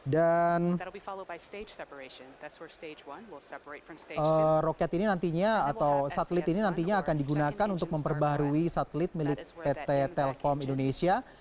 dan roket ini nantinya atau satelit ini nantinya akan digunakan untuk memperbaharui satelit milik pt telkom indonesia